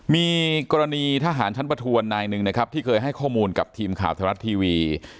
มีกรณีทหารชั้นประทวนนายหนึ่งนะครับที่เคยให้ข้อมูลกับทีมข่าวไทยรัฐทีวี